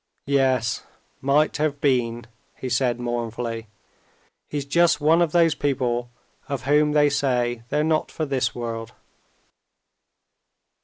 "Yes, might have been," he said mournfully. "He's just one of those people of whom they say they're not for this world."